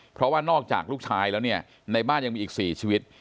เพราะว่านอกจากลูกชายแล้วเนี่ยในบ้านยังมีอีก๔ชีวิต